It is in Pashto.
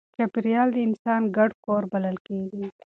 چاپېریال د انسان ګډ کور بلل کېږي.